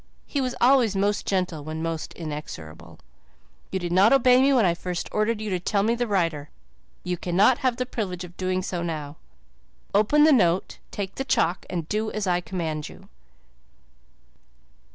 He was always most gentle when most inexorable. "You did not obey me when I first ordered you to tell me the writer. You cannot have the privilege of doing so now. Open the note, take the chalk, and do as I command you."